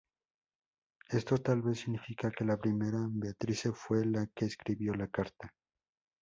Esto tal vez significa que la primera Beatrice fue la que escribió la carta.